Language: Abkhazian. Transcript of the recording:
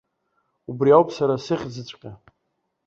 Убри ауп сара сыхьӡҵәҟьа.